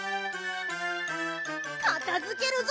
かたづけるぞ！